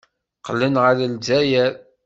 Qqlen ɣer Lezzayer.